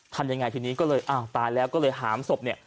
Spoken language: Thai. ทำยังไงทีนี้ก็เลยอ้าวตายแล้วก็เลยหามศพเนี่ย